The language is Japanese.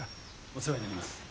お世話になります。